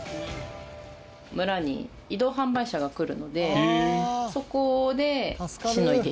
村に移動販売車が来るのでそこでしのいでいます。